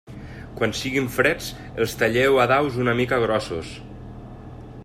Quan siguin freds, els talleu a daus una mica grossos.